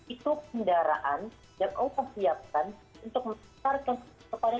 itu kendaraan yang allah siapkan untuk mengembangkan kepadanya